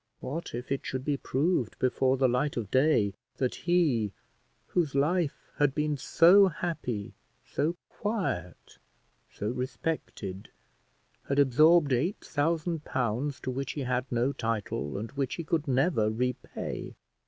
What if it should be proved before the light of day that he, whose life had been so happy, so quiet, so respected, had absorbed eight thousand pounds to which he had no title, and which he could never repay?